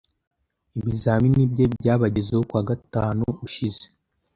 Ibizamini bye byabagezeho ku wa gatanu ushize